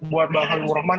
buat bang habibur rahman